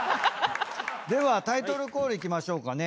ではタイトルコールいきましょうかね。